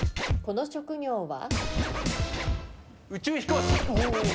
この職業は？